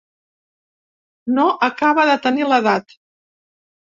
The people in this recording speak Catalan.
No acaba de tenir l'edat.